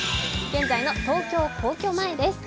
現在の東京・皇居前です。